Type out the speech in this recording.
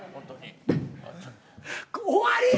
終わりや！